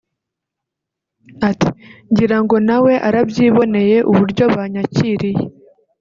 ati “Ngira ngo nawe urabyiboneye uburyo banyakiriye